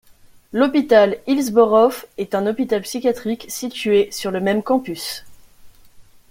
L'Hôpital Hillsborough est un Hôpital psychiatrique situé sur le même campus.